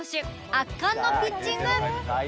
圧巻のピッチング